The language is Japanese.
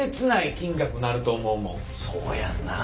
そうやんなあ。